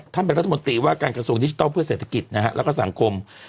ท่านเป็นรัฐมนตรีว่าการกระทรวงดิจิทัลเพื่อเศรษฐกิจนะฮะแล้วก็สังคม